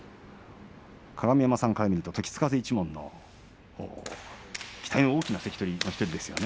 鏡山さんから見ると時津風一門の期待の大きな関取の１人ですよね。